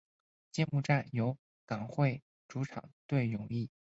揭幕战由港会主场对永义。